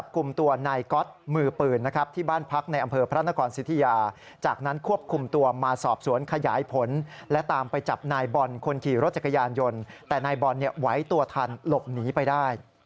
ขี่รถจักรยานยนต์แต่นายบอลไหว้ตัวทันหลบหนีไปได้